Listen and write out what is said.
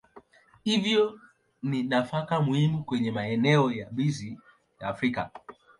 Hivyo ni nafaka muhimu kwenye maeneo yabisi ya Afrika.